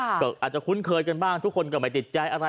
ก็อาจจะคุ้นเคยกันบ้างทุกคนก็ไม่ติดใจอะไร